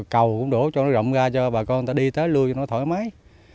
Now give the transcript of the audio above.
cầu cũng đổ cho nó rộng ra cho bà con đi tới luôn cho nó thoải mái